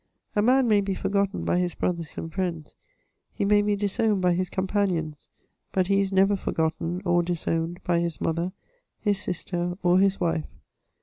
A man may be forgotten by his brothers and friends : he may be disowned by his com panions ; but he is never forgotten or disowned by his mother, his sister, of his wife.